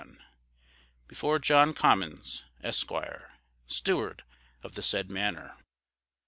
Before John Comyns, Esq.; Steward of the said Manor.